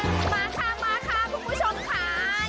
รวดรนตลาด